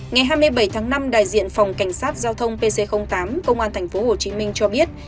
ngày hai mươi bảy tháng năm đại diện phòng cảnh sát giao thông pc tám công an tp hcm cho biết